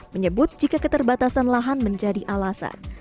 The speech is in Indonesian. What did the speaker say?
menyebut jika keterbatasan lahan menjadi alasan